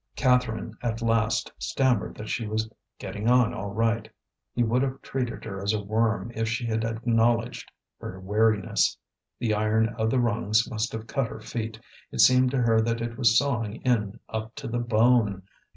Catherine at last stammered that she was getting on all right. He would have treated her as a worm if she had acknowledged her weariness. The iron of the rungs must have cut her feet; it seemed to her that it was sawing in up to the bone.